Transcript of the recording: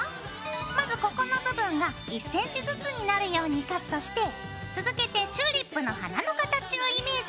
まずここの部分が１ｃｍずつになるようにカットして続けてチューリップの花の形をイメージしてカットしよう。